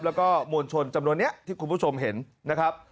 แล้วก็มวลชนจำนวนนี้ที่คุณผู้ชมเห็นนะครับ